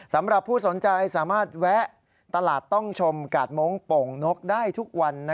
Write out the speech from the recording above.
สำหรับผู้สนใจสามารถแวะตลาดต้องชมกาดม้งโป่งนกได้ทุกวัน